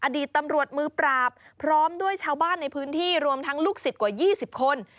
ด้วยชาวบ้านในพื้นที่รวมทั้งลูกศิษย์กว่ายี่สิบคน